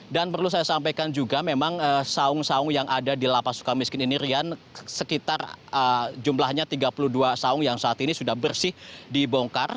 dan perlu saya sampaikan juga memang saung saung yang ada di lapa suka miskin ini rian sekitar jumlahnya tiga puluh dua saung yang saat ini sudah bersih dibongkar